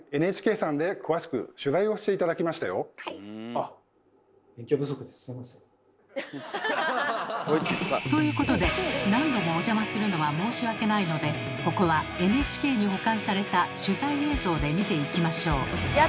あっということで何度もお邪魔するのは申し訳ないのでここはＮＨＫに保管された取材映像で見ていきましょう。